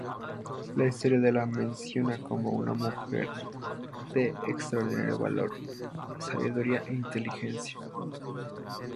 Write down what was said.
La historia la menciona como una mujer de extraordinario valor, sabiduría e inteligencia.